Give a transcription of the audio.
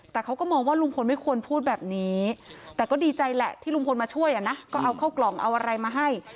แต่เขาก็มองว่าลุงพลไม่ควรพูดแบบนี้แต่ก็ดีใจแหละที่ลุงพลมาช่วยอ่ะนะก็เอาเข้ากล่องเอาอะไรมาให้